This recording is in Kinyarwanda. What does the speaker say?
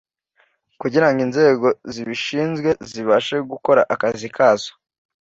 kugira ngo inzego zibishinzwe zibashe gukora akazi kazo